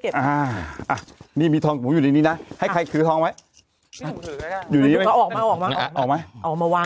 เก็บนี่มีทองหูอยู่ดีนี้นะให้ใครถือทองไว้ออกมาวาง